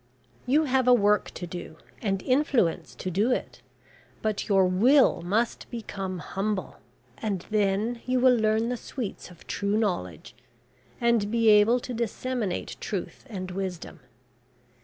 You have a work to do, and influence to do it; but your will must become humble, and then you will learn the sweets of true knowledge, and be able to disseminate truth and wisdom.